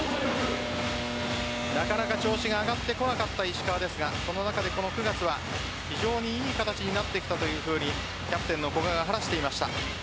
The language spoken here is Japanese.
なかなか調子が上がってこなかった石川ですがその中で、この９月は非常に良い形になってきたとキャプテンの古賀が話していました。